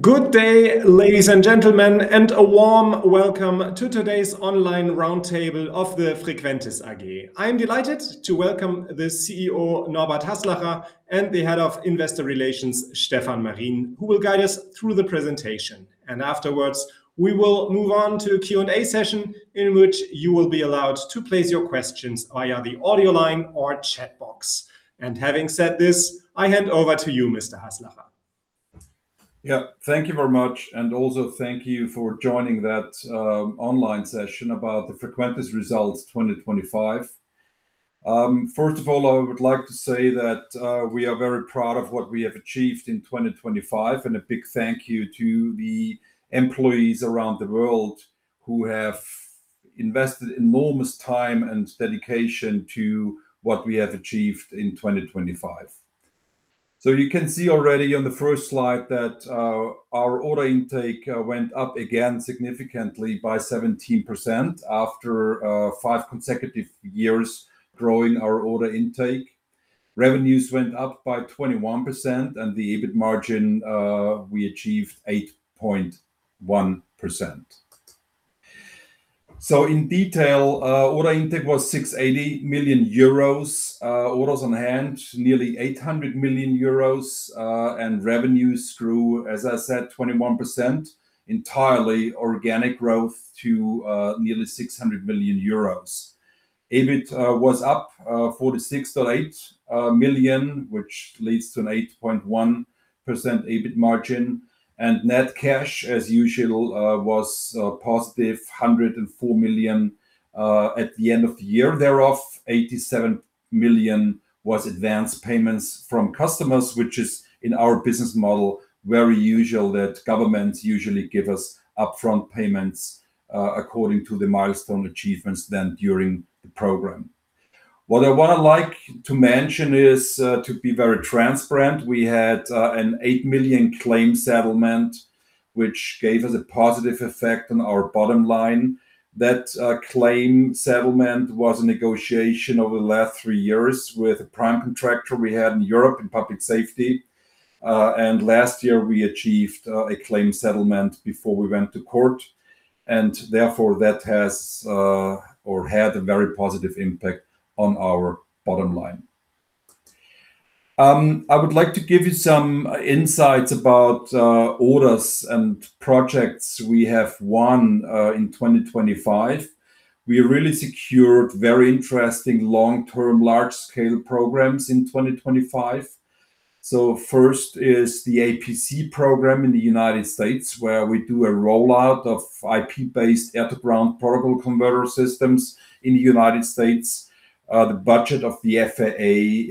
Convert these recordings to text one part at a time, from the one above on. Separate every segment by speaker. Speaker 1: Good day, ladies and gentlemen, and a warm welcome to today's online roundtable of the Frequentis AG. I'm delighted to welcome the CEO, Norbert Haslacher, and the Head of Investor Relations, Stefan Marin, who will guide us through the presentation. Afterwards, we will move on to a Q and A session in which you will be allowed to place your questions via the audio line or chat box. Having said this, I hand over to you, Mr. Haslacher.
Speaker 2: Yeah. Thank you very much, and also thank you for joining that online session about the Frequentis results 2025. First of all, I would like to say that we are very proud of what we have achieved in 2025, and a big thank you to the employees around the world who have invested enormous time and dedication to what we have achieved in 2025. You can see already on the first slide that our order intake went up again significantly by 17%, after five consecutive years growing our order intake. Revenues went up by 21%, and the EBIT margin, we achieved 8.1%. In detail, order intake was 680 million euros. Orders on hand, nearly 800 million euros. Revenues grew, as I said, 21%, entirely organic growth to nearly 600 million euros. EBIT was up 46.8 million, which leads to an 8.1% EBIT margin. Net cash, as usual, was, +104 million at the end of the year. Thereof, 87 million was advance payments from customers, which is, in our business model, very usual that governments usually give us upfront payments according to the milestone achievements then during the program. What I would like to mention is, to be very transparent, we had a 8 million claim settlement, which gave us a positive effect on our bottom line. That claim settlement was a negotiation over the last three years with a prime contractor we had in Europe in public safety. Last year, we achieved a claim settlement before we went to court, and therefore that has or had a very positive impact on our bottom line. I would like to give you some insights about orders and projects we have won in 2025. We really secured very interesting long-term, large-scale programs in 2025. First is the APC program in the United States, where we do a rollout of IP-based air-to-ground protocol converter systems in the United States. The budget of the FAA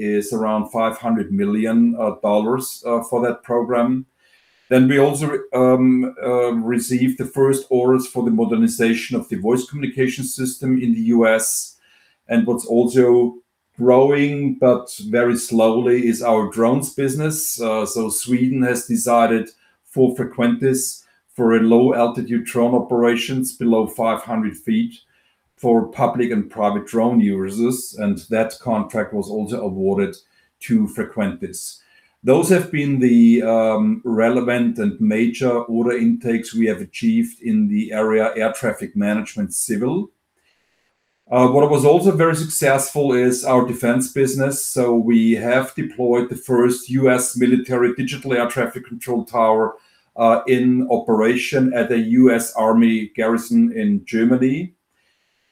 Speaker 2: is around $500 million for that program. We also received the first orders for the modernization of the voice communication system in the U.S. What's also growing, but very slowly, is our drones business. Sweden has decided for Frequentis for a low-altitude drone operations below 500 ft for public and private drone users, and that contract was also awarded to Frequentis. Those have been the relevant and major order intakes we have achieved in the area Air Traffic Management civil. What was also very successful is our defense business. We have deployed the first U.S. military digital air traffic control tower in operation at a U.S. Army Garrison in Germany.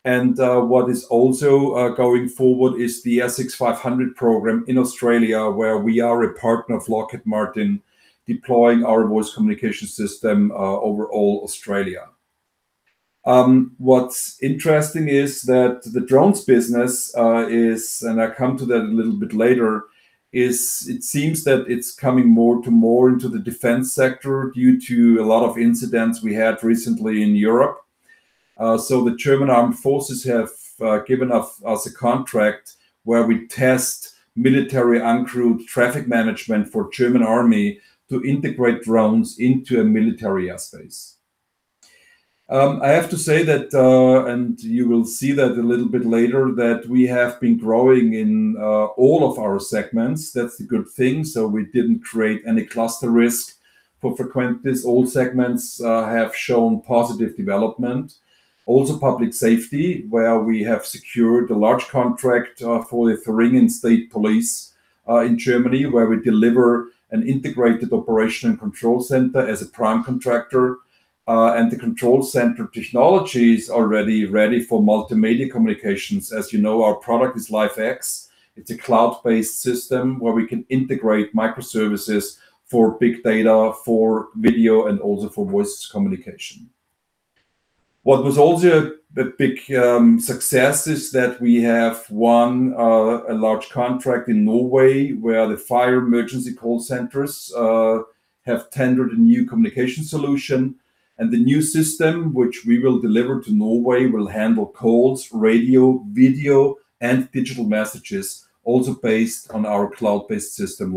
Speaker 2: What is also going forward is the SX500 program in Australia, where we are a partner of Lockheed Martin, deploying our voice communication system over all Australia. What's interesting is that the drones business is, and I come to that a little bit later, it seems that it's coming more and more into the defense sector due to a lot of incidents we had recently in Europe. The German armed forces have given us a contract where we test military uncrewed traffic management for German army to integrate drones into a military airspace. I have to say that, and you will see that a little bit later, that we have been growing in all of our segments. That's the good thing. We didn't create any cluster risk for Frequentis. All segments have shown positive development, also Public Safety, where we have secured a large contract for the Thuringian Police in Germany, where we deliver an integrated operation and control center as a prime contractor. The control center technology is already ready for multimedia communications. As you know, our product is LifeX. It's a cloud-based system where we can integrate microservices for big data, for video, and also for voice communication. What was also a big success is that we have won a large contract in Norway where the fire emergency call centers have tendered a new communication solution, and the new system, which we will deliver to Norway, will handle calls, radio, video, and digital messages, also based on our cloud-based system,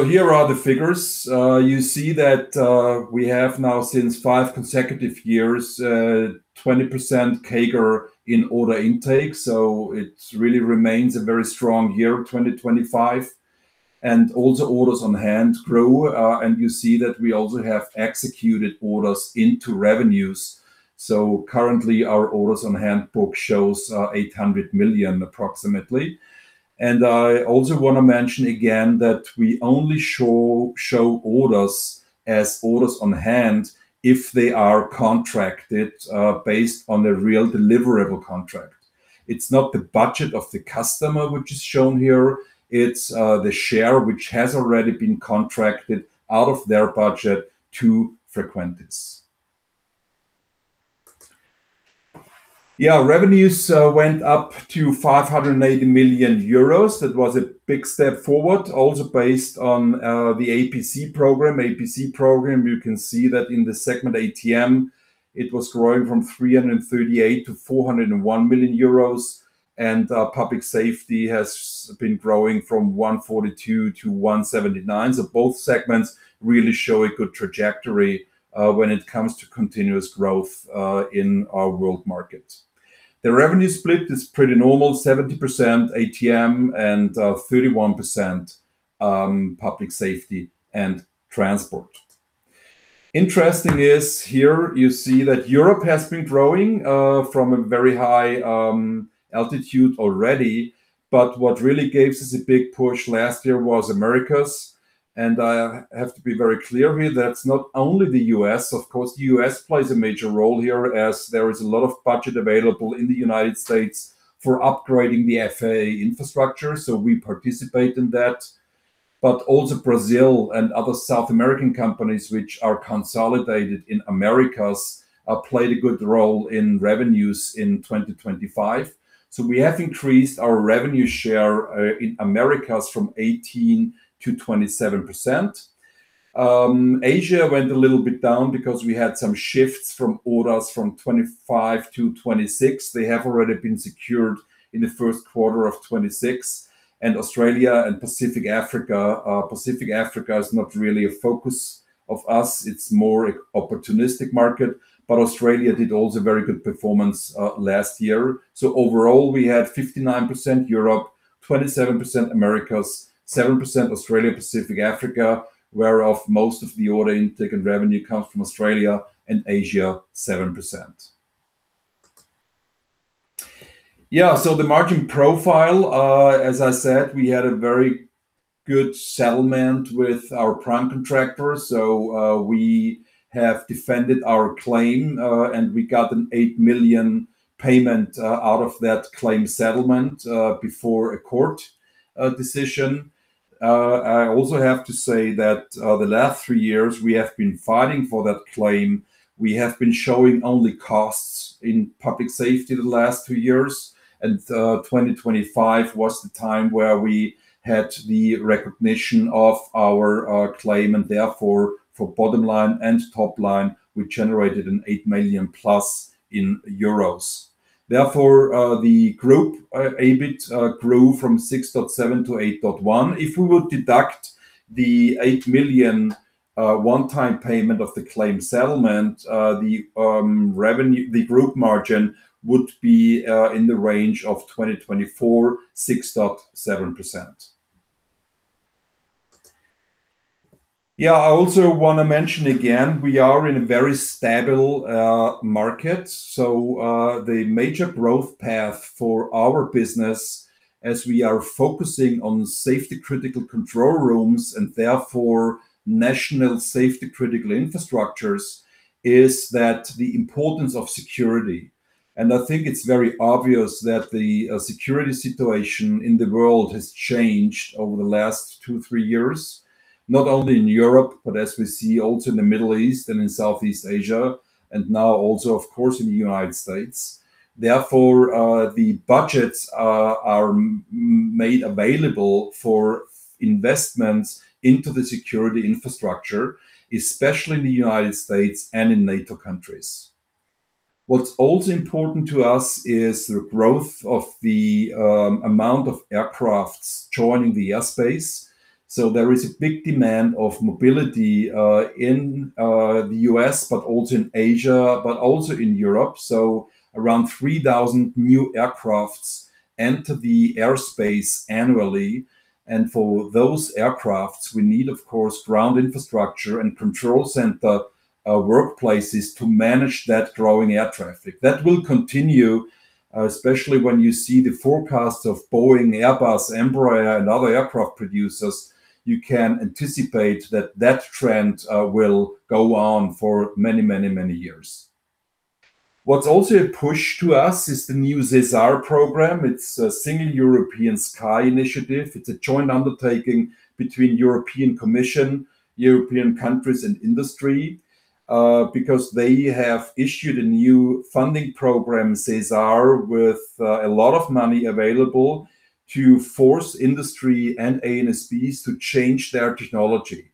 Speaker 2: LifeX. Here are the figures. You see that we have now, since five consecutive years, 20% CAGR in order intake, so it really remains a very strong year 2025. Also orders on hand grow. You see that we also have executed orders into revenues. Currently our orders on hand book shows approximately 800 million. I also want to mention again that we only show orders as orders on hand if they are contracted, based on the real deliverable contract. It's not the budget of the customer which is shown here. It's the share which has already been contracted out of their budget to Frequentis. Revenues went up to 580 million euros. That was a big step forward, also based on the APC program. You can see that in the segment ATM, it was growing from 338 million to 401 million euros. Public Safety has been growing from 142 million to 179 million. Both segments really show a good trajectory when it comes to continuous growth in our world market. The revenue split is pretty normal, 70% ATM and 31% Public Safety and Transport. Interesting is here you see that Europe has been growing, from a very high altitude already. What really gave us a big push last year was Americas. I have to be very clear here that it's not only the U.S. Of course, the U.S. plays a major role here as there is a lot of budget available in the United States for upgrading the FAA infrastructure, so we participate in that. Also Brazil and other South American companies, which are consolidated in Americas, played a good role in revenues in 2025. We have increased our revenue share in Americas from 18% to 27%. Asia went a little bit down because we had some shifts from orders from 2025 to 2026. They have already been secured in the first quarter of 2026. Australia and Pacific Africa. Pacific Africa is not really a focus of us. It's more an opportunistic market. Australia did also a very good performance last year. Overall we had 59% Europe, 27% Americas, 7% Australia, Pacific, Africa, whereof most of the order intake and revenue comes from Australia, and Asia 7%. The margin profile, as I said, we had a very good settlement with our prime contractor. We have defended our claim, and we got an 8 million payment out of that claim settlement before a court decision. I also have to say that the last three years we have been fighting for that claim. We have been showing only costs in Public Safety the last three years. 2025 was the time where we had the recognition of our claim and therefore for bottom line and top line, we generated 8 million+. Therefore, the group EBIT grew from 6.7% to 8.1%. If we would deduct the 8 million one-time payment of the claim settlement, the group margin would be in the range of 2024, 6.7%. I also want to mention again, we are in a very stable market. The major growth path for our business as we are focusing on safety critical control rooms and therefore national safety critical infrastructures, is that the importance of security. I think it's very obvious that the security situation in the world has changed over the last two, three years, not only in Europe, but as we see also in the Middle East and in Southeast Asia, and now also, of course, in the United States. Therefore, the budgets are made available for investments into the security infrastructure, especially in the United States and in NATO countries. What's also important to us is the growth of the amount of aircraft joining the airspace. There is a big demand of mobility in the U.S., but also in Asia, but also in Europe. Around 3,000 new aircraft enter the airspace annually. For those aircraft, we need, of course, ground infrastructure and control center workplaces to manage that growing air traffic. That will continue, especially when you see the forecasts of Boeing, Airbus, Embraer, and other aircraft producers. You can anticipate that that trend will go on for many years. What's also a push to us is the new SESAR program. It's a Single European Sky initiative. It's a joint undertaking between European Commission, European countries and industry. Because they have issued a new funding program, SESAR, with a lot of money available to force industry and ANSPs to change their technology.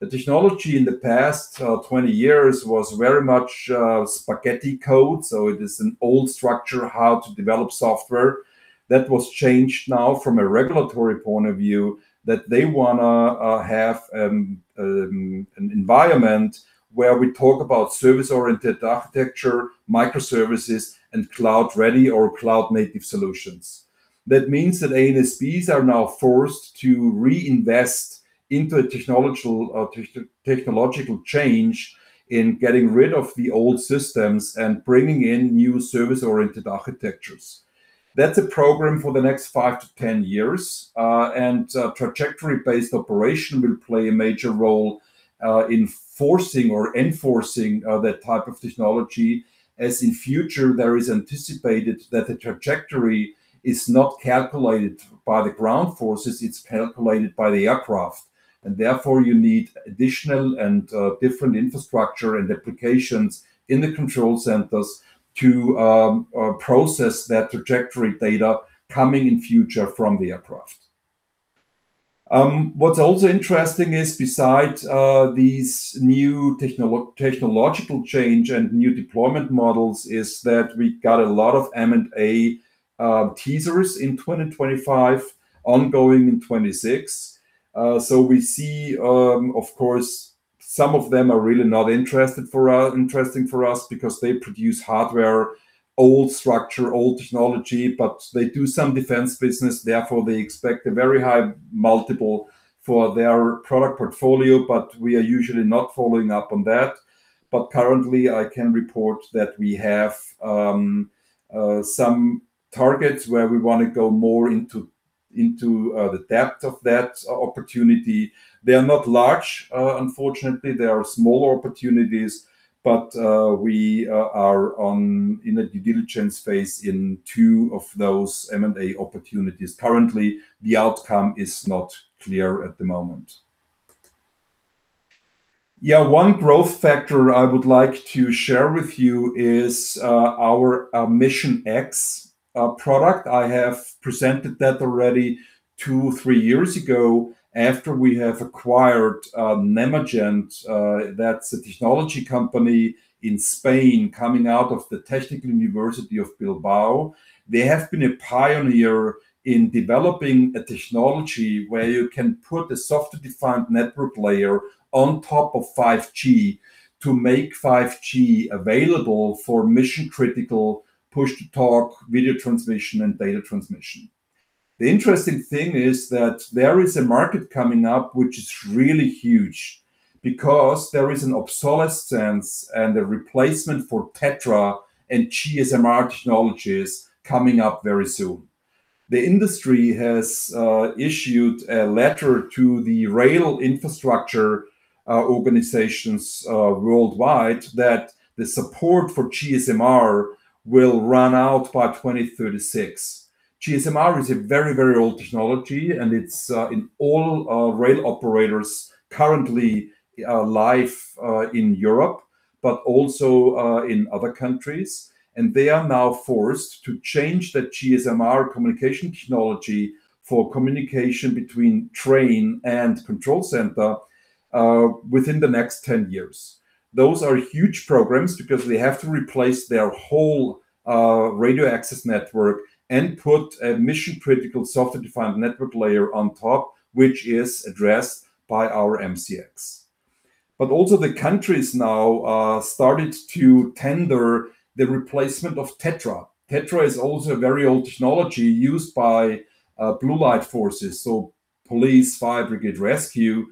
Speaker 2: The technology in the past 20 years was very much spaghetti code. It is an old structure, how to develop software. That was changed now from a regulatory point of view, that they want to have an environment where we talk about service-oriented architecture, microservices, and cloud-ready or cloud-native solutions. That means that ANSPs are now forced to reinvest into a technological change in getting rid of the old systems and bringing in new service-oriented architectures. That's a program for the next five to 10 years, and Trajectory-Based Operations will play a major role in forcing or enforcing that type of technology, as in the future, it is anticipated that the trajectory is not calculated by the ground forces, it's calculated by the aircraft. Therefore, you need additional and different infrastructure and applications in the control centers to process that trajectory data coming in the future from the aircraft. What's also interesting is, besides these new technological change and new deployment models, is that we got a lot of M&A teasers in 2025, ongoing in 2026. We see, of course, some of them are really not interesting for us because they produce hardware, old structure, old technology, but they do some defense business, therefore they expect a very high multiple for their product portfolio. We are usually not following up on that. Currently, I can report that we have some targets where we want to go more into the depth of that opportunity. They are not large, unfortunately. They are small opportunities, but we are in a due diligence phase in two of those M&A opportunities. Currently, the outcome is not clear at the moment. One growth factor I would like to share with you is our MissionX product. I have presented that already two or three years ago after we have acquired Nemergent. That's a technology company in Spain coming out of the tertiary university of Bilbao. They have been a pioneer in developing a technology where you can put a software-defined network layer on top of 5G to make 5G available for mission-critical push-to-talk video transmission and data transmission. The interesting thing is that there is a market coming up, which is really huge because there is an obsolescence and a replacement for TETRA and GSM-R technologies coming up very soon. The industry has issued a letter to the rail infrastructure organizations worldwide that the support for GSM-R will run out by 2036. GSM-R is a very old technology, and it's in all rail operators currently live in Europe, but also in other countries. They are now forced to change that GSM-R communication technology for communication between train and control center within the next 10 years. Those are huge programs because they have to replace their whole radio access network and put a mission-critical software-defined network layer on top, which is addressed by our MCX. The countries now started to tender the replacement of TETRA. TETRA is also a very old technology used by blue light forces, so police, fire brigade, rescue.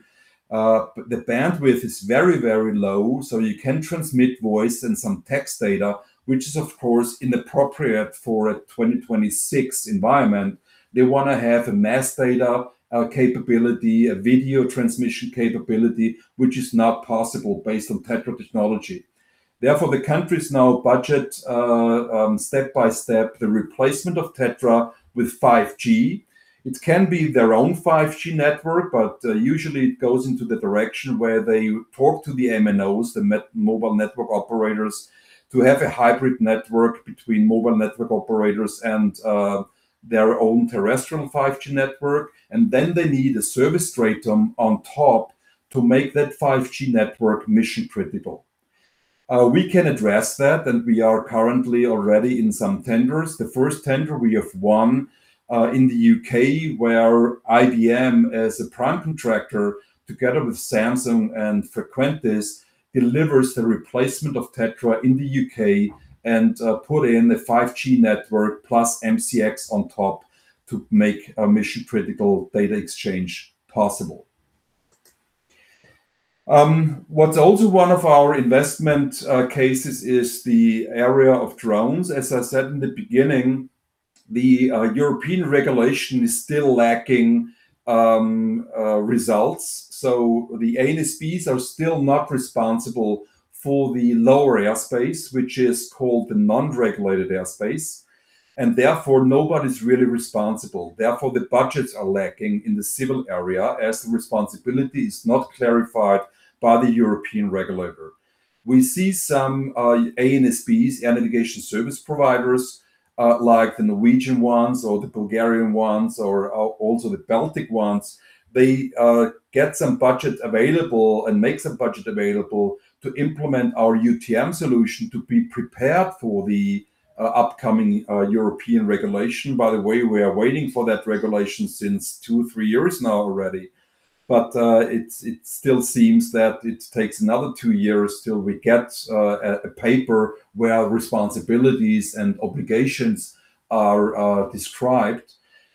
Speaker 2: The bandwidth is very low, so you can transmit voice and some text data, which is of course inappropriate for a 2026 environment. They want to have a mass data capability, a video transmission capability, which is not possible based on TETRA technology. Therefore, the countries now budget, step-by-step, the replacement of TETRA with 5G. It can be their own 5G network, but usually it goes into the direction where they talk to the MNOs, the mobile network operators, to have a hybrid network between mobile network operators and their own terrestrial 5G network. Then they need a service stratum on top to make that 5G network mission-critical. We can address that, and we are currently already in some tenders. The first tender we have won in the U.K., where IBM, as a prime contractor, together with Samsung and Frequentis, delivers the replacement of TETRA in the U.K. and put in the 5G network plus MCX on top to make a mission-critical data exchange possible. What's also one of our investment cases is the area of drones. As I said in the beginning, the European regulation is still lacking results, so the ANSPs are still not responsible for the lower airspace, which is called the non-regulated airspace. Therefore, nobody's really responsible. Therefore, the budgets are lacking in the civil area as the responsibility is not clarified by the European regulator. We see some ANSPs, air navigation service providers, like the Norwegian ones or the Bulgarian ones, or also the Baltic ones. They get some budget available and make some budget available to implement our UTM solution to be prepared for the upcoming European regulation. By the way, we are waiting for that regulation since two or three years now already. But it still seems that it takes another two years till we get a paper where our responsibilities and obligations are described.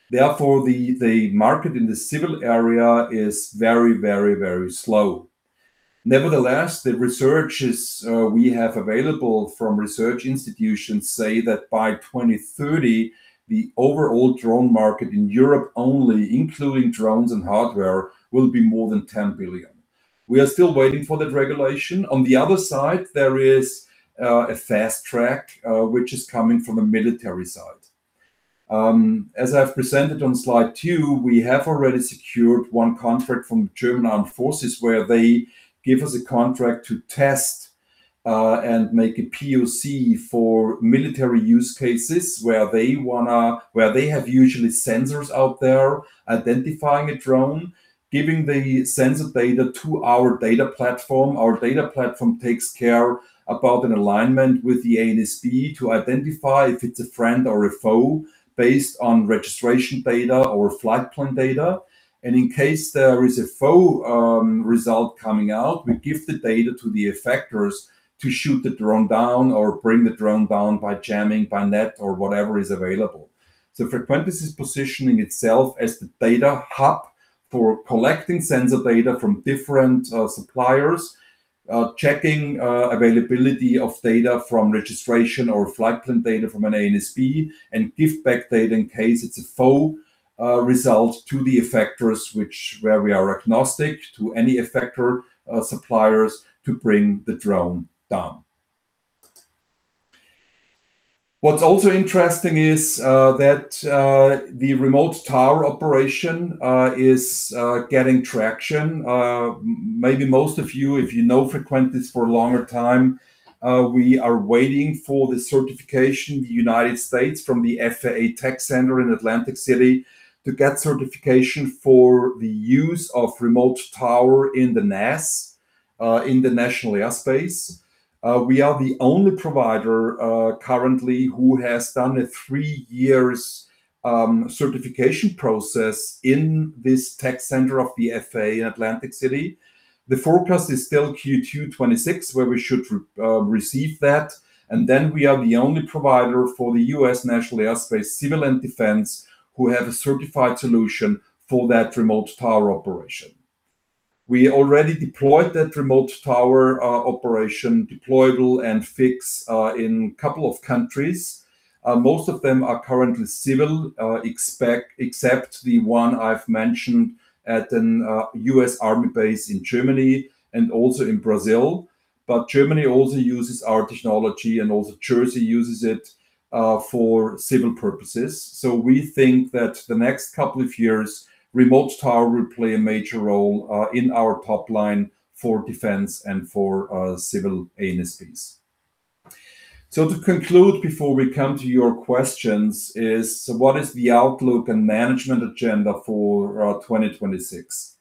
Speaker 2: Therefore, the market in the civil area is very slow. Nevertheless, the researches we have available from research institutions say that by 2030, the overall drone market in Europe only, including drones and hardware, will be more than 10 billion. We are still waiting for that regulation. On the other side, there is a fast track, which is coming from the military side. As I've presented on slide two, we have already secured one contract from the German Armed Forces where they give us a contract to test and make a POC for military use cases, where they have usually sensors out there identifying a drone, giving the sensor data to our data platform. Our data platform takes care about an alignment with the ANSP to identify if it's a friend or a foe based on registration data or flight plan data. In case there is a foe result coming out, we give the data to the effectors to shoot the drone down or bring the drone down by jamming, by net or whatever is available. Frequentis is positioning itself as the data hub for collecting sensor data from different suppliers, checking availability of data from registration or flight plan data from an ANSP, and give back data in case it's a no-go result to the effectors, where we are agnostic to any effector suppliers to bring the drone down. What's also interesting is that the remote tower operation is getting traction. Maybe most of you, if you know Frequentis for a longer time, we are waiting for the certification in the United States from the FAA Tech Center in Atlantic City to get certification for the use of remote tower in the NAS, in the National Airspace. We are the only provider, currently, who has done a three-year certification process in this tech center of the FAA in Atlantic City. The forecast is still Q2 2026, where we should receive that, and then we are the only provider for the U.S. National Airspace, civil and defense, who have a certified solution for that remote tower operation. We already deployed that remote tower operation, deployable and fixed, in a couple of countries. Most of them are currently civil, except the one I've mentioned at a U.S. Army base in Germany and also in Brazil. Germany also uses our technology, and also Jersey uses it for civil purposes. We think that the next couple of years, remote tower will play a major role in our top line for defense and for civil ANSPs. To conclude, before we come to your questions, is what is the outlook and management agenda for 2026?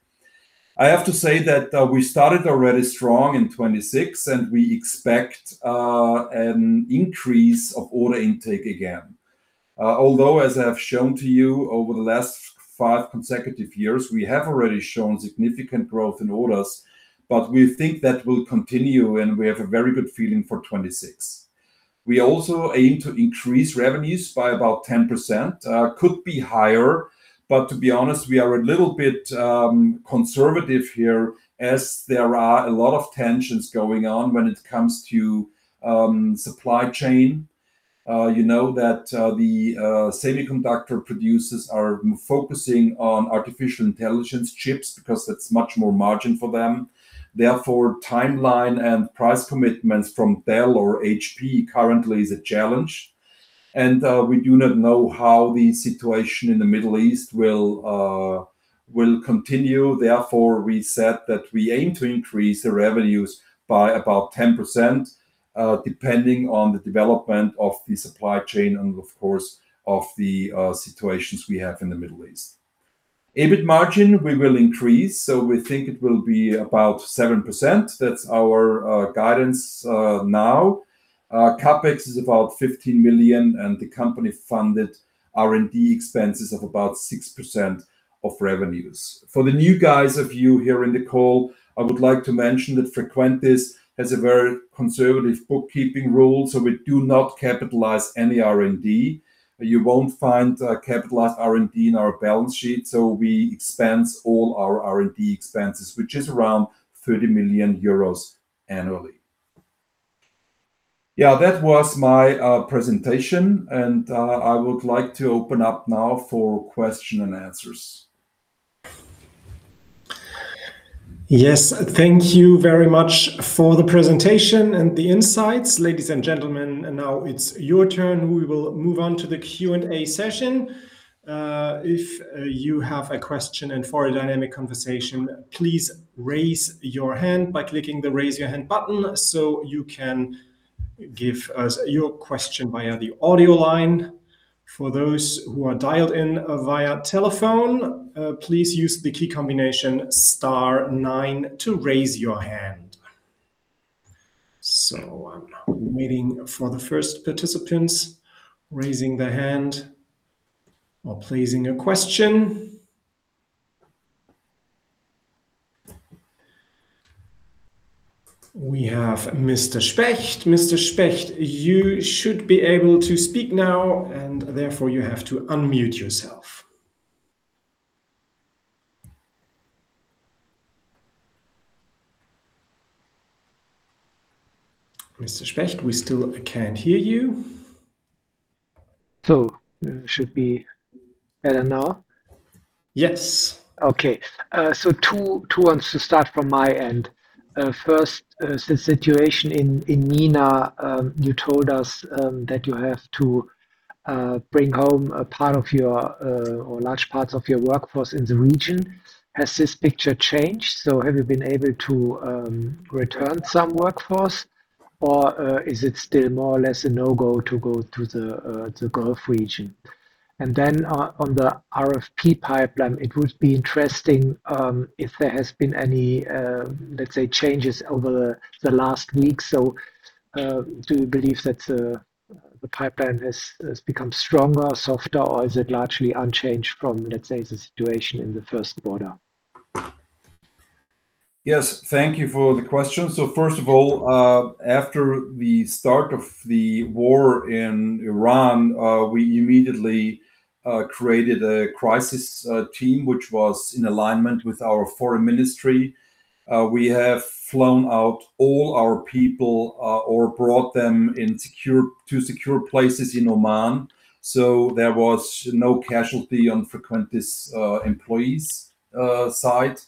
Speaker 2: I have to say that we started already strong in 2026, and we expect an increase of order intake again. Although, as I have shown to you over the last five consecutive years, we have already shown significant growth in orders, but we think that will continue, and we have a very good feeling for 2026. We also aim to increase revenues by about 10%. Could be higher, but to be honest, we are a little bit conservative here, as there are a lot of tensions going on when it comes to supply chain. You know that the semiconductor producers are focusing on artificial intelligence chips because that's much more margin for them. Therefore, timeline and price commitments from Dell or HP currently is a challenge. We do not know how the situation in the Middle East will continue. Therefore, we said that we aim to increase the revenues by about 10%, depending on the development of the supply chain and, of course, of the situations we have in the Middle East. EBIT margin we will increase, so we think it will be about 7%. That's our guidance now. CapEx is about 15 million, and the company-funded R&D expense is of about 6% of revenues. For the new guys of you here in the call, I would like to mention that Frequentis has a very conservative bookkeeping rule, so we do not capitalize any R&D. You won't find capitalized R&D in our balance sheet, so we expense all our R&D expenses, which is around 30 million euros annually. Yeah, that was my presentation, and I would like to open up now for question and answers.
Speaker 3: Yes. Thank you very much for the presentation and the insights. Ladies and gentlemen, now it's your turn. We will move on to the Q and A session. If you have a question and for a dynamic conversation, please raise your hand by clicking the Raise Your Hand button so you can give us your question via the audio line. For those who are dialed in via telephone, please use the key combination star nine to raise your hand. I'm waiting for the first participants, raising their hand or placing a question. We have Mr. Specht. Mr. Specht, you should be able to speak now, and therefore you have to unmute yourself. Mr. Specht, we still can't hear you.
Speaker 4: It should be better now?
Speaker 3: Yes.
Speaker 4: Okay. Two questions to start from my end. First, the situation in MENA, you told us that you have to bring home a part of your or large parts of your workforce in the region. Has this picture changed? Have you been able to return some workforce or is it still more or less a no-go to go to the Gulf region? Then on the RFP pipeline, it would be interesting if there has been any, let's say, changes over the last week. Do you believe that the pipeline has become stronger or softer, or is it largely unchanged from, let's say, the situation in the first quarter?
Speaker 2: Yes. Thank you for the question. First of all, after the start of the war in Iran, we immediately created a crisis team, which was in alignment with our foreign ministry. We have flown out all our people or brought them to secure places in Oman. There was no casualty on Frequentis employees' side.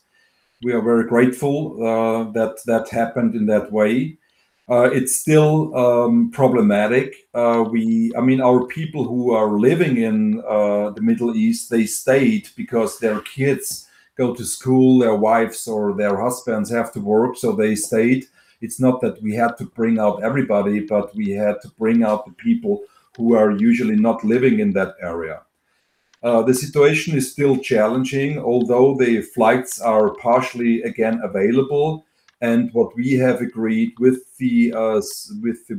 Speaker 2: We are very grateful that that happened in that way. It's still problematic. Our people who are living in the Middle East, they stayed because their kids go to school, their wives or their husbands have to work, so they stayed. It's not that we had to bring out everybody, but we had to bring out the people who are usually not living in that area. The situation is still challenging, although the flights are partially again available, and what we have agreed with the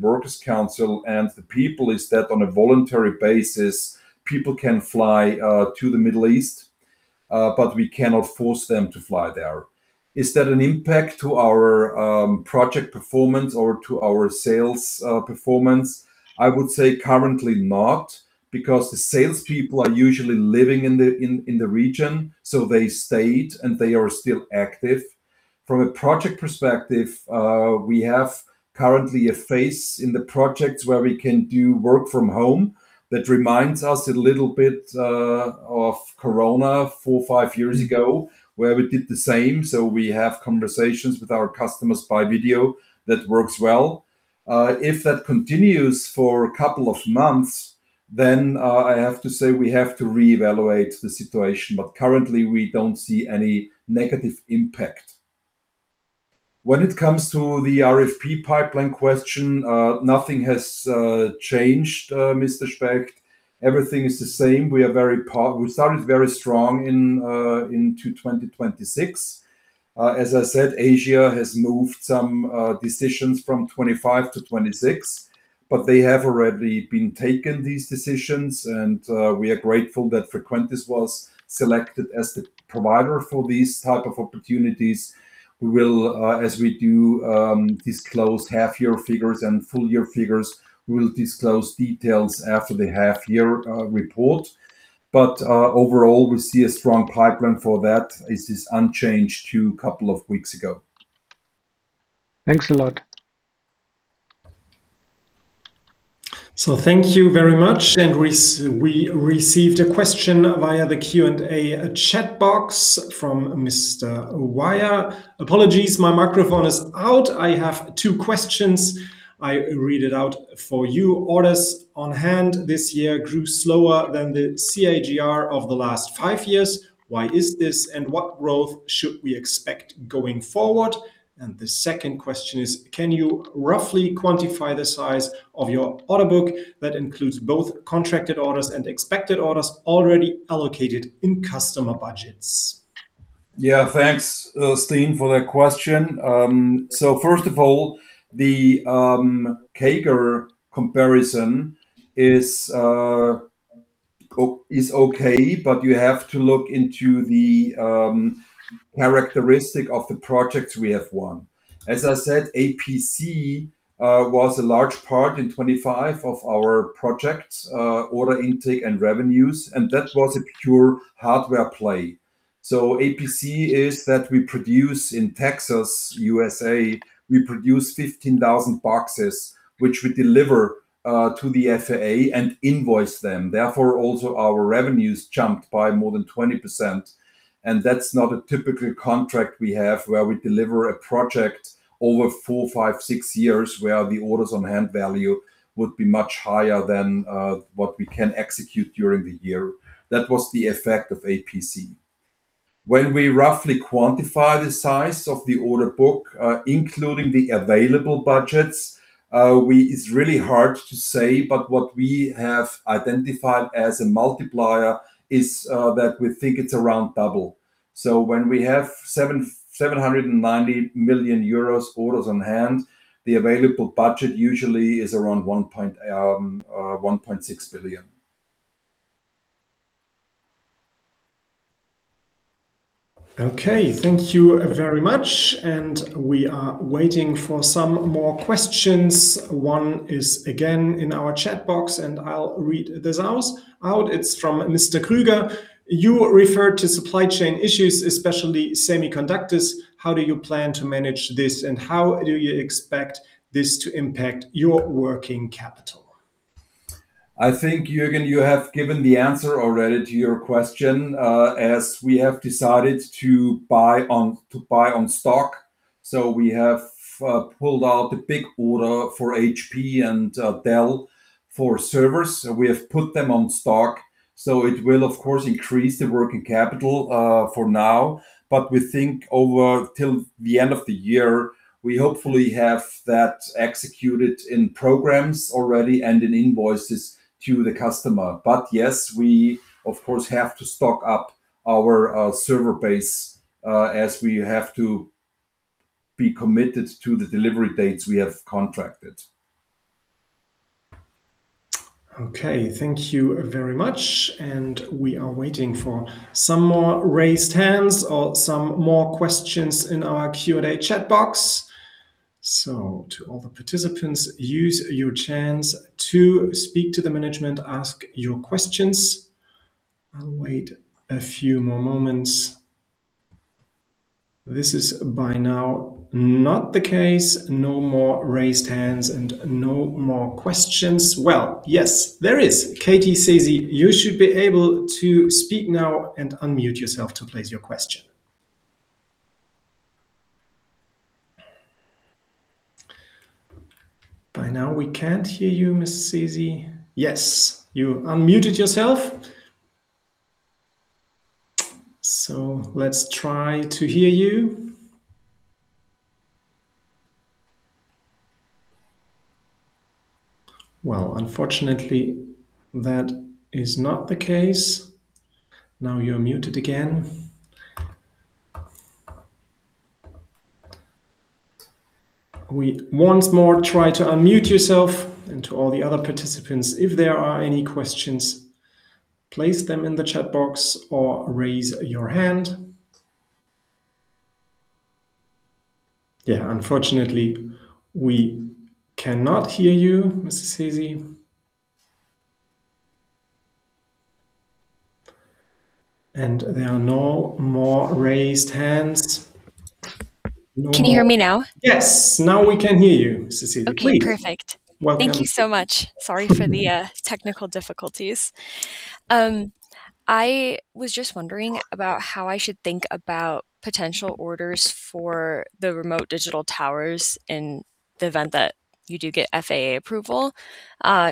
Speaker 2: works council and the people is that on a voluntary basis, people can fly to the Middle East, but we cannot force them to fly there. Is that an impact to our project performance or to our sales performance? I would say currently not, because the salespeople are usually living in the region, so they stayed and they are still active. From a project perspective, we have currently a phase in the projects where we can do work from home. That reminds us a little bit of Corona four, five years ago, where we did the same. We have conversations with our customers by video. That works well. If that continues for a couple of months, then I have to say we have to reevaluate the situation. Currently, we don't see any negative impact. When it comes to the RFP pipeline question, nothing has changed, Mr. Specht. Everything is the same. We started very strong into 2026. As I said, Asia has moved some decisions from 2025 to 2026, but they have already been taken, these decisions, and we are grateful that Frequentis was selected as the provider for these type of opportunities. We will, as we do disclosed half year figures and full year figures, we will disclose details after the half year report. Overall, we see a strong pipeline for that. It is unchanged to a couple of weeks ago.
Speaker 4: Thanks a lot.
Speaker 3: Thank you very much. We received a question via the Q and A chat box from Mr. Wire. "Apologies, my microphone is out. I have two questions." I read it out for you. "Orders on hand this year grew slower than the CAGR of the last five years. Why is this and what growth should we expect going forward?" The second question is, "Can you roughly quantify the size of your order book that includes both contracted orders and expected orders already allocated in customer budgets?
Speaker 2: Yeah. Thanks, Steen, for that question. First of all, the CAGR comparison is okay, but you have to look into the characteristic of the projects we have won. As I said, APC was a large part in 2025 of our projects, order intake and revenues, and that was a pure hardware play. APC is that we produce in Texas, USA, we produce 15,000 boxes, which we deliver to the FAA and invoice them. Therefore, also our revenues jumped by more than 20%, and that's not a typical contract we have where we deliver a project over four, five, six years, where the orders on hand value would be much higher than what we can execute during the year. That was the effect of APC. When we roughly quantify the size of the order book, including the available budgets, it's really hard to say, but what we have identified as a multiplier is that we think it's around double. When we have 790 million euros orders on hand, the available budget usually is around 1.6 billion.
Speaker 3: Okay, thank you very much, and we are waiting for some more questions. One is again in our chat box and I'll read this out. It's from Mr. Krüger. You referred to supply chain issues, especially semiconductors. How do you plan to manage this and how do you expect this to impact your working capital?
Speaker 2: I think, Jürgen, you have given the answer already to your question, as we have decided to buy on stock. We have pulled out a big order for HP and Dell for servers, we have put them on stock, so it will of course increase the working capital for now. We think over till the end of the year, we hopefully have that executed in programs already and in invoices to the customer. Yes, we of course have to stock up our server base, as we have to be committed to the delivery dates we have contracted.
Speaker 3: Okay, thank you very much and we are waiting for some more raised hands or some more questions in our Q and A chat box. To all the participants, use your chance to speak to the management, ask your questions. I'll wait a few more moments. This is by now not the case. No more raised hands and no more questions. Well, yes there is. Katie Sesi, you should be able to speak now and unmute yourself to place your question. By now we can't hear you, Ms. Sesi. Yes, you unmuted yourself. Let's try to hear you. Well, unfortunately that is not the case. Now you're muted again. Once more, try to unmute yourself. To all the other participants, if there are any questions, place them in the chat box or raise your hand. Yeah, unfortunately we cannot hear you, Ms. Sesi. There are no more raised hands.
Speaker 5: Can you hear me now?
Speaker 3: Yes, now we can hear you, Ms. Sesi. Please.
Speaker 5: Okay, perfect.
Speaker 3: Welcome.
Speaker 5: Thank you so much. Sorry for the technical difficulties. I was just wondering about how I should think about potential orders for the remote digital towers in the event that you do get FAA approval.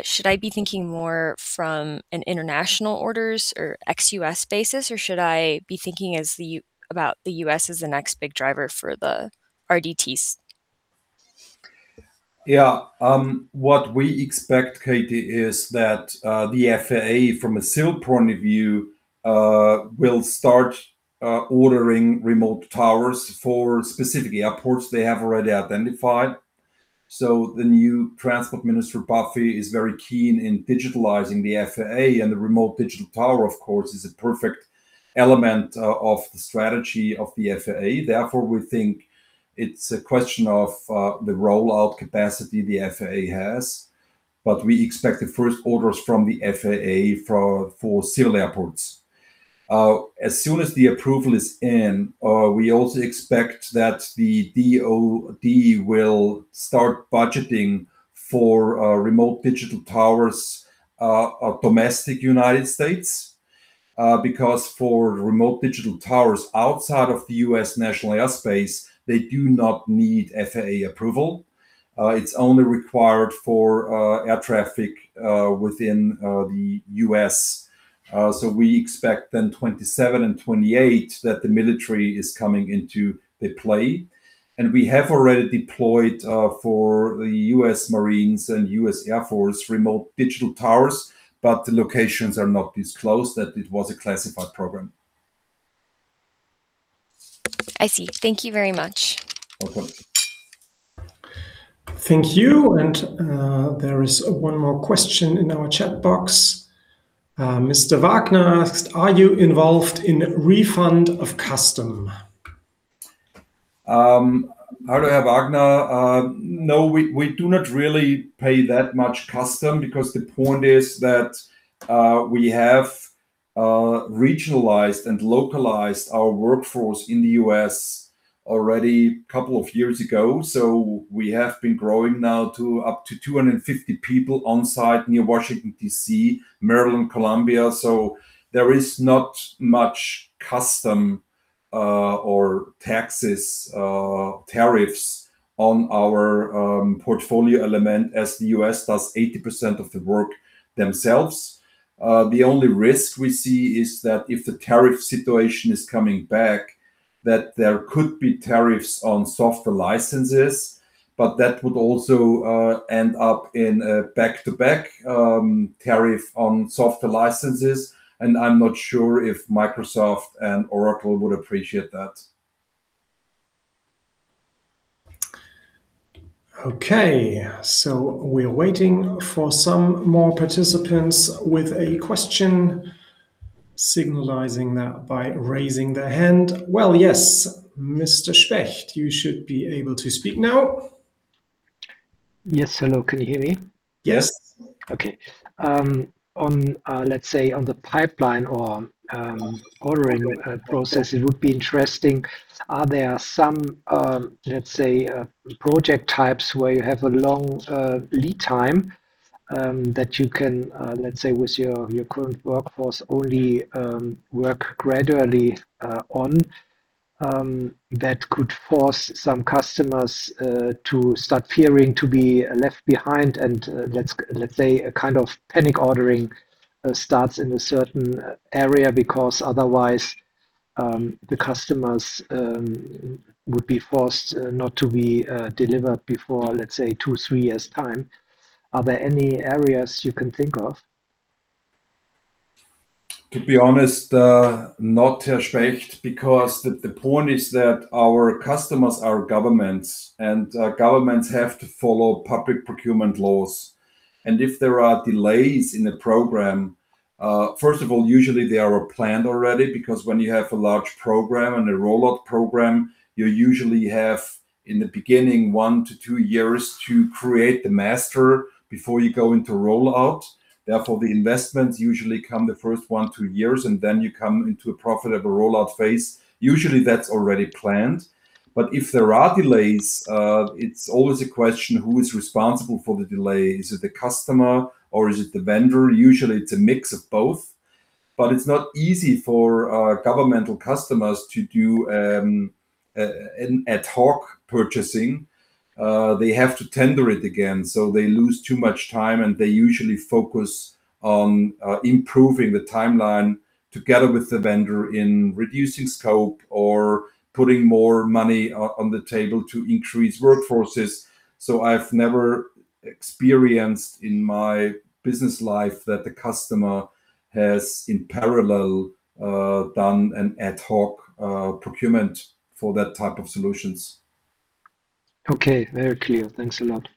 Speaker 5: Should I be thinking more from an international orders or ex-U.S. basis, or should I be thinking about the U.S. as the next big driver for the RDTs?
Speaker 2: Yeah. What we expect, Katie, is that the FAA, from a civil point of view, will start ordering remote towers for specific airports they have already identified. The new Transport Minister Duffy, is very keen in digitalizing the FAA and the remote digital tower, of course, is a perfect element of the strategy of the FAA. Therefore, we think it's a question of the rollout capacity the FAA has. We expect the first orders from the FAA for civil airports. As soon as the approval is in, we also expect that the DOD will start budgeting for remote digital towers of domestic U.S., because for remote digital towers outside of the U.S. national airspace, they do not need FAA approval. It's only required for air traffic within the U.S. We expect then 2027 and 2028 that the military is coming into the play. We have already deployed for the U.S. Marines and U.S. Air Force remote digital towers, but the locations are not disclosed. That it was a classified program.
Speaker 5: I see. Thank you very much.
Speaker 2: Welcome.
Speaker 3: Thank you. There is one more question in our chat box. Mr. Wagner asks, "Are you involved in refund of customs?
Speaker 2: Hello, Wagner. No, we do not really pay that much customs because the point is that we have regionalized and localized our workforce in the U.S. already couple of years ago. We have been growing now to up to 250 people on site near Washington, D.C., Maryland, Columbia. There is not much customs or taxes, tariffs on our portfolio element as the U.S. does 80% of the work themselves. The only risk we see is that if the tariff situation is coming back. That there could be tariffs on software licenses, but that would also end up in a back-to-back tariff on software licenses, and I'm not sure if Microsoft and Oracle would appreciate that.
Speaker 3: Okay, we're waiting for some more participants with a question, signaling that by raising their hand. Well, yes, Mr. Specht, you should be able to speak now.
Speaker 4: Yes. Hello. Can you hear me?
Speaker 3: Yes.
Speaker 4: Okay. Let's say on the pipeline or ordering process, it would be interesting, are there some project types where you have a long lead time that you can, let's say with your current workforce, only work gradually on that could force some customers to start fearing to be left behind and, let's say a kind of panic ordering starts in a certain area because otherwise the customers would be forced not to be delivered before, let's say, two, three years' time. Are there any areas you can think of?
Speaker 2: To be honest, not yet Specht, because the point is that our customers are governments, and governments have to follow public procurement laws. If there are delays in the program, first of all, usually they are planned already, because when you have a large program and a rollout program, you usually have, in the beginning, one to two years to create the master before you go into rollout. Therefore, the investments usually come the first one, two years, and then you come into a profitable rollout phase. Usually, that's already planned. If there are delays, it's always a question, who is responsible for the delay? Is it the customer or is it the vendor? Usually, it's a mix of both. It's not easy for our governmental customers to do an ad hoc purchasing. They have to tender it again, so they lose too much time, and they usually focus on improving the timeline together with the vendor in reducing scope or putting more money on the table to increase workforces. I've never experienced in my business life that the customer has, in parallel, done an ad hoc procurement for that type of solutions.
Speaker 4: Okay. Very clear. Thanks a lot.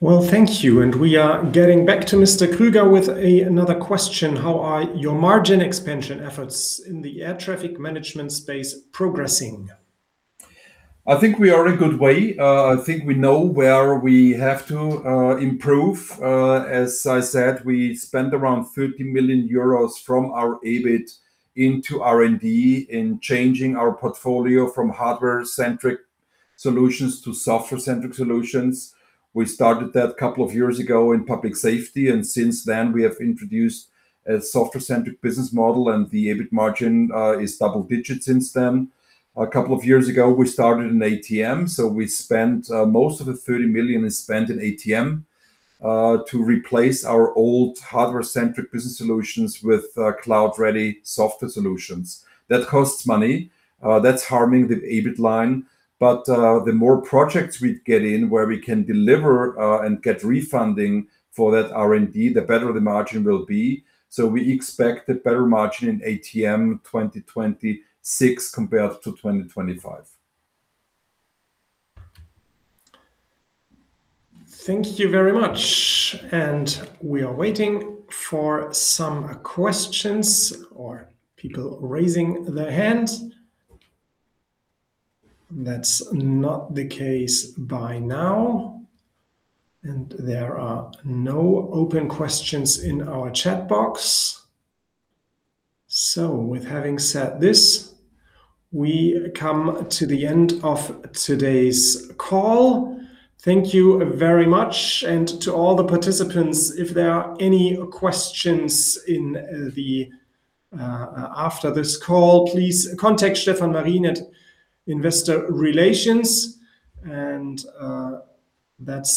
Speaker 3: Well, thank you. We are getting back to Mr. Krüger with another question. How are your margin expansion efforts in the air traffic management space progressing?
Speaker 2: I think we are in a good way. I think we know where we have to improve. As I said, we spend around 30 million euros from our EBIT into R&D in changing our portfolio from hardware-centric solutions to software-centric solutions. We started that a couple of years ago in public safety, and since then, we have introduced a software-centric business model, and the EBIT margin is double-digit since then. A couple of years ago, we started in ATM, so most of the 30 million is spent in ATM to replace our old hardware-centric business solutions with cloud-ready software solutions. That costs money. That's harming the EBIT line. But the more projects we get in where we can deliver and get refunding for that R&D, the better the margin will be. We expect a better margin in ATM 2026 compared to 2025.
Speaker 3: Thank you very much. We are waiting for some questions or people raising their hands. That's not the case by now. There are no open questions in our chat box. With having said this, we come to the end of today's call. Thank you very much. To all the participants, if there are any questions after this call, please contact Stefan Marin at Investor Relations. That's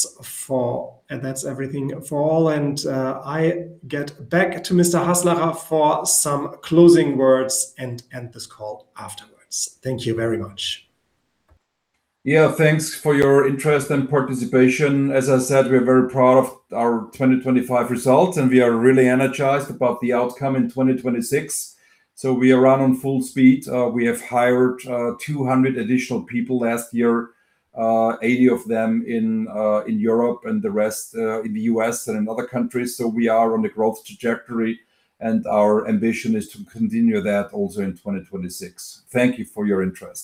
Speaker 3: everything for all. I get back to Mr. Haslacher for some closing words and end this call afterwards. Thank you very much.
Speaker 2: Yeah, thanks for your interest and participation. As I said, we're very proud of our 2025 results, and we are really energized about the outcome in 2026. We are running at full speed. We have hired 200 additional people last year, 80 of them in Europe and the rest in the U.S. and in other countries. We are on a growth trajectory, and our ambition is to continue that also in 2026. Thank you for your interest.